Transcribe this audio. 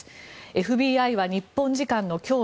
ＦＢＩは日本時間の今日